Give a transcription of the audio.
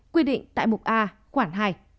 quy định tại mục a khoảng hai